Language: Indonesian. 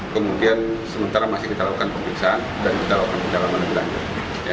kemudian sementara masih kita lakukan pemeriksaan dan kita lakukan penyelamatan berlanjut